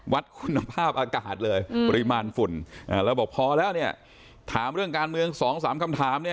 วัดคุณภาพอากาศเลยปริมาณฝุ่นแล้วบอกพอแล้วเนี่ยถามเรื่องการเมือง๒๓คำถาม